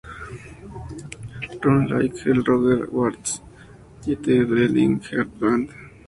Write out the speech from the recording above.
Run Like Hell Roger Waters y the Bleeding Heart Band